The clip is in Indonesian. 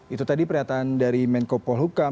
itu tadi pernyataan dari menko polhukam